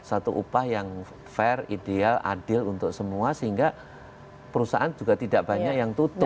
satu upah yang fair ideal adil untuk semua sehingga perusahaan juga tidak banyak yang tutup